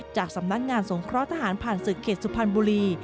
จากสำนักงานสงเคราะห์ทหารผ่านศึกเขตสุพรรณบุรี